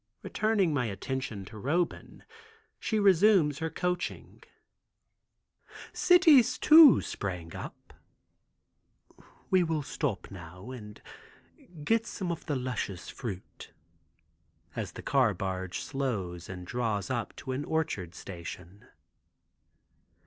Returning my attention to Roban, she resumes her coaching. "Cities too sprang up. We will stop now and get some of the luscious fruit," as the car barge slows and draws up to an orchard station.